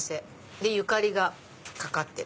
でゆかりがかかってる。